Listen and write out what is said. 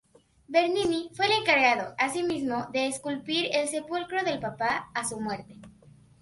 Bernini fue el encargado, asimismo, de esculpir el sepulcro del papa a su muerte.